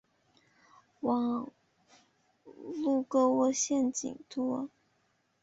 网路购物陷阱多